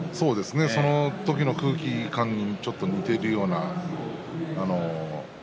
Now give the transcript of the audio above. その時の空気感にちょっと似ているような。